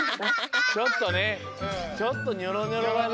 ちょっとねちょっとニョロニョロはね。